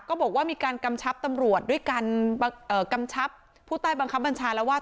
ก็บอกว่ามีการกำชับตำรวจด้วยการกำชับผู้ใต้บังคับบัญชาแล้วว่า